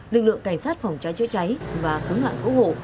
lực lượng cảnh sát phòng cháy chữa cháy và cướng loạn hỗ hộ